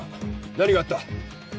何があった？